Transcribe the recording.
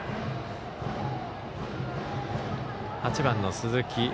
８番の鈴木。